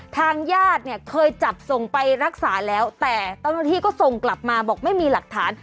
ทางญาติเนี่ยเคยจับส่งไปรักษาแล้วแต่เจ้าหน้าที่ก็ส่งกลับมาบอกไม่มีหลักฐาน